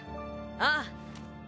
ああ。